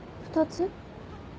２つ？